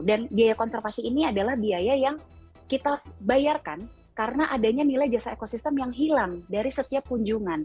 dan biaya konservasi ini adalah biaya yang kita bayarkan karena adanya nilai jasa ekosistem yang hilang dari setiap kunjungan